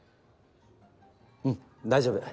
うん大丈夫。